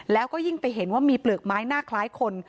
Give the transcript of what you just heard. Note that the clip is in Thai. แล้วก็ยิ่งไปเห็นว่ามีเปลือกไม้หน้าคล้ายคน